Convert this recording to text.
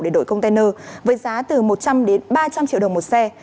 để đổi container với giá từ một trăm linh đến ba trăm linh triệu đồng một xe